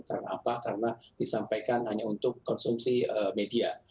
karena apa karena disampaikan hanya untuk konsumsi media